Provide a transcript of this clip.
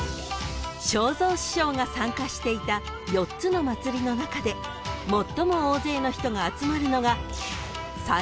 ［正蔵師匠が参加していた４つの祭りの中で最も大勢の人が集まるのが］